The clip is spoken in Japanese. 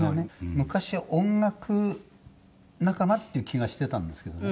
昔は音楽仲間っていう気がしてたんですけどね